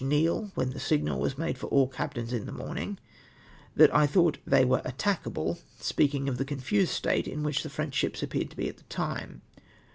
Neale, when the signal was made for all captains in the morning, that I thought iltey were attachihle — speaking of the confused state in which the French ships appeared to be at the time."